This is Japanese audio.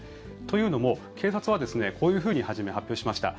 というのも、警察はですねこういうふうに初め、発表しました。